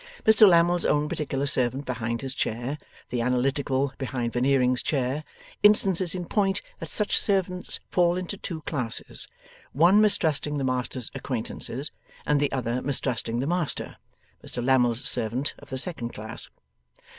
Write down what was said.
Mr Lammle's own particular servant behind his chair; the Analytical behind Veneering's chair; instances in point that such servants fall into two classes: one mistrusting the master's acquaintances, and the other mistrusting the master. Mr Lammle's servant, of the second class.